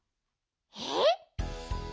えっ？